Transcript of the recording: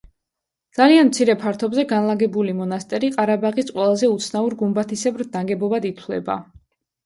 ძალიან მცირე ფართობზე განლაგებული მონასტერი ყარაბაღის ყველაზე უცნაურ გუმბათისებრ ნაგებობად ითვლება.